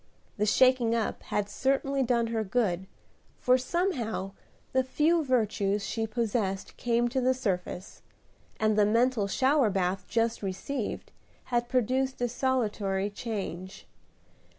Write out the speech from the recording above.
The shaking up had certainly done her good, for somehow the few virtues she possessed came to the surface, and the mental shower bath just received had produced a salutary change.